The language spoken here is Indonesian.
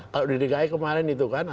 kalau di dki kemarin itu kan